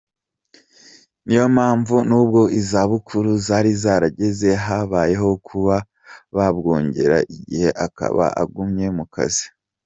Niyo mpamvu nubwo izabukuru zari zarageze habayeho kuba bamwongerera igihe akaba agumye mu kazi.”